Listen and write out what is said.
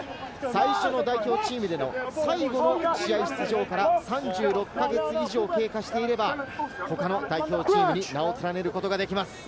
最初の代表チームでの最後の試合出場から３６か月以上経過していれば、他の代表チームに名を連ねることができます。